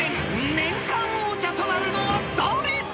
［年間王者となるのは誰だ！］